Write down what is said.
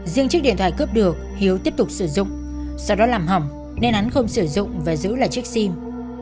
riêng chiếc điện thoại cướp được hiếu tiếp tục sử dụng sau đó làm hỏng nên hắn không sử dụng và giữ lại chiếc sim